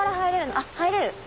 あっ入れる！